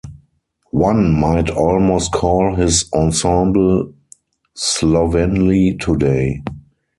One might almost call his ensemble slovenly today.